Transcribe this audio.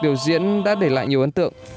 biểu diễn đã để lại nhiều ấn tượng